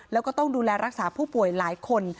แล้วก็ต้องดูแลรักษาผู้ป่วยหลายคน